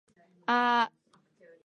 ぁー